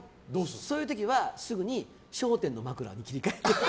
そういう時は、すぐに「笑点」の枕に切り替えてる。